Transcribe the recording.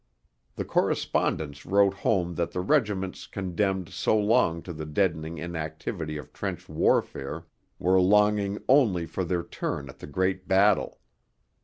The correspondents wrote home that the regiments 'condemned so long to the deadening inactivity of trench warfare were longing only for their turn at the Great Battle.'